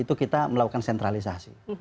itu kita melakukan sentralisasi